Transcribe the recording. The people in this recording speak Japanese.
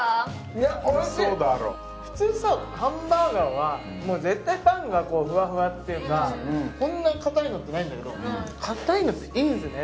いやおいしい普通さハンバーガーはもう絶対パンがふわふわっていうかこんな硬いのってないんだけど硬いのっていいですね